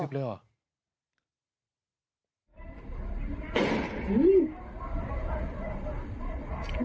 ๖๐แล้วเหรอ